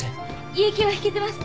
胃液は引けてます。